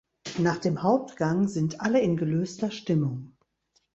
Nach dem Hauptgang sind alle in gelöster Stimmung.